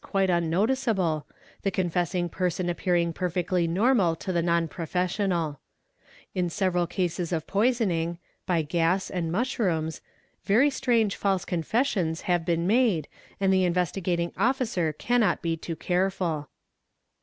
"quite unnoticeable, the confessing person appearing perfectly normal to "the non professional", In several cases of poisoning (by gas and 1 mushrooms) very strange false confessions have been made and the In _yestigating Officer cannot be too careful™®.